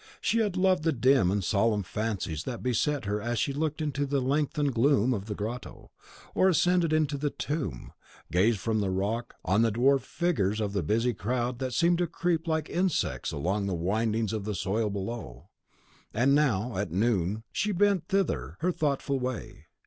She had loved the dim and solemn fancies that beset her as she looked into the lengthened gloom of the grotto, or, ascending to the tomb, gazed from the rock on the dwarfed figures of the busy crowd that seemed to creep like insects along the windings of the soil below; and now, at noon, she bent thither her thoughtful way.